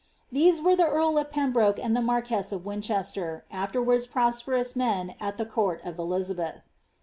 '^' These were the earl of Pembroke and the marquess of Win chester, afterwards prosperous men at the court of Elisabeth.